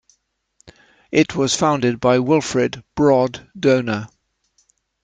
It was founded by Wilfred "Brod" Doner.